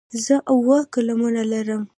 زه اووه قلمونه لرم.